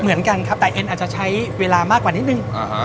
เหมือนกันครับแต่เอ็นอาจจะใช้เวลามากกว่านิดนึง